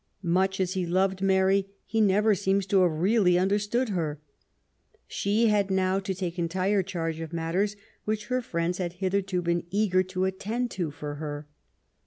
Much as he loved Mary, he never seems to have really understood her. She had now to take entire charge of matters which her friends had hitherto been eager to attend to for her.